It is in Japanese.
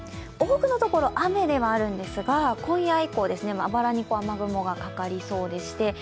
多くの所、雨ではあるんですが、今夜以降、まばらに雨雲がかかりそうでして